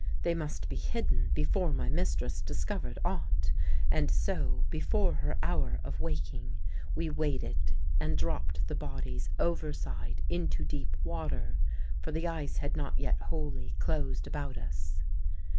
They must be hidden before my mistress discovered aught; and so before her hour of waking we weighted and dropped the bodies overside into deep water; for the ice had not yet wholly closed about us.